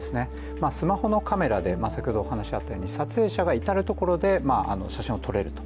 スマホのカメラで、撮影者がいたるところで写真を撮れると。